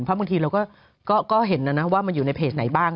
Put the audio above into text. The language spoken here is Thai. เพราะบางทีเราก็เห็นนะนะว่ามันอยู่ในเพจไหนบ้าง